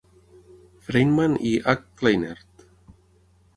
Feynman i H. Kleinert.